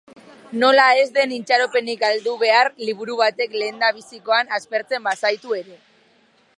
Nola ez den itxaropenik galdu behar liburu batek lehendabizikoan aspertzen bazaitu ere.